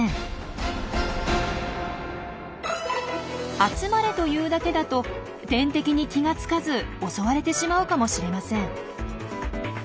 「集まれ」と言うだけだと天敵に気がつかず襲われてしまうかもしれません。